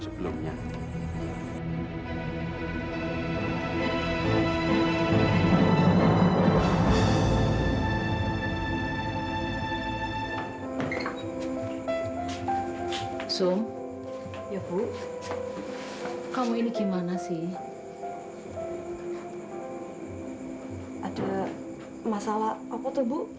sumi tidak mau bu